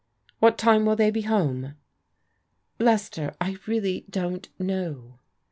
What time will they be home? "" Lester, I really don't know."